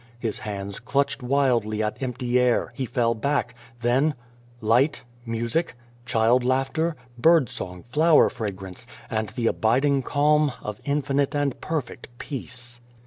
His hands clutched wildly at empty air, he fell back then ... light music child laughter bird song, flower fragrance and the abiding calm of infinite and perfect peace.